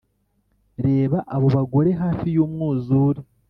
'reba abo bagore hafi y'umwuzure